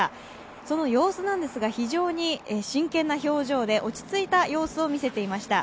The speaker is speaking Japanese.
その様子なんですが、非常に真剣な表情で落ち着いた様子を見せていました。